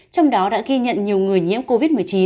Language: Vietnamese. trong đó đã ghi nhận nhiều người nhiễm covid một mươi chín